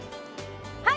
はい！